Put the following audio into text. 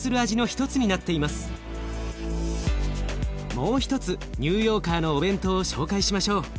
もう一つニューヨーカーのお弁当を紹介しましょう。